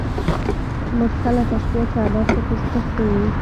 مرسله تشبېه چي ادات پکښي ذکر سوي يي.